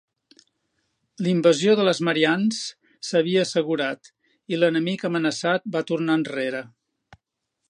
L'invasió de les Mariannes s'havia assegurat i l'enemic amenaçat va tornar enrere.